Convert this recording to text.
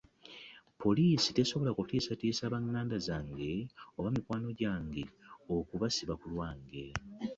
Poliisi tesobola kutiisatiisa ba nganda zange oba mikwano gyange okubasiba ku lwange.